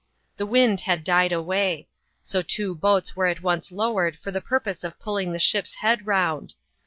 The wind had died away; so two boats were at once lowered fet Haa^xxr^ftsfc of pulb'ng' the ship's head round.